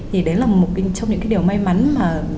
thì đấy là một trong những cái điều may mắn mà